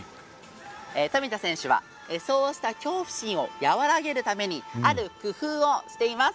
富田選手は、そうした恐怖心を和らげるためにある工夫をしています。